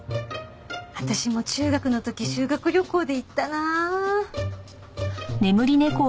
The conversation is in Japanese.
私も中学の時修学旅行で行ったなあ！